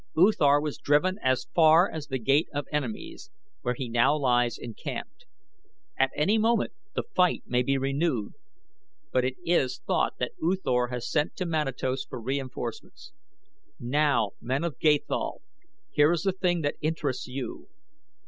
U Thor was driven as far as The Gate of Enemies, where he now lies encamped. At any moment the fight may be renewed; but it is thought that U Thor has sent to Manatos for reinforcements. Now, men of Gathol, here is the thing that interests you.